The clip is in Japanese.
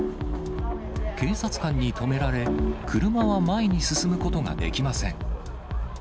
警察官に止められ、車は前に進むことができません。